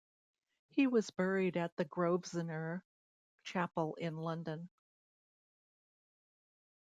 He was buried at the Grosvenor Chapel in London.